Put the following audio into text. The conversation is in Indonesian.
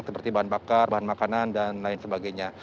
seperti bahan bakar bahan makanan dan lain sebagainya